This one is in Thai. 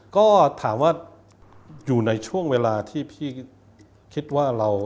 ก็ถามว่าอยู่ในช่วงเวลาที่พี่คิดว่าเรา